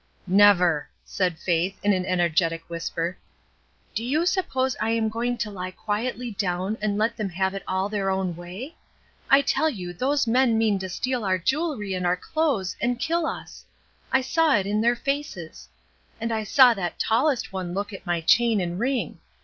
" Never !" said Faith, in an energetic whisper. " Do you suppose I am going to he quietly down and let them have it all their own way ? I tell you those men mean to steal our jewelry and our clothes, and kill us ! I saw it in their faces. And I saw that tallest one look at my chain and ring.